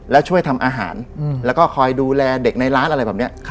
แล้วช่วยทำอาหารแล้วก็คอยดูแลเด็กในร้านอะไรแบบนี้